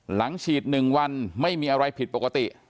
หลังฉีด๑วันไม่มีอะไรผิดปกติ